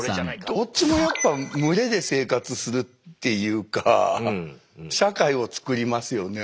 どっちもやっぱ群れで生活するっていうか社会を作りますよね